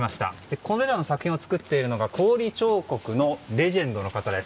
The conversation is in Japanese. これらの作品を作っているのは氷彫刻のレジェンドの方です。